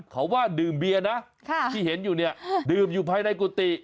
เขาว่าดื่มเบียร์นะที่เห็นอยู่เนี่ยดื่มอยู่ภายในกุฏิ